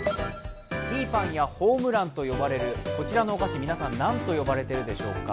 ピーパンやホームランと呼ばれるこちらのお菓子、皆さん何と呼ばれているでしょうか？